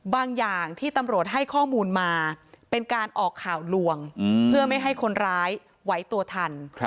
อย่างที่ตำรวจให้ข้อมูลมาเป็นการออกข่าวลวงเพื่อไม่ให้คนร้ายไหวตัวทัน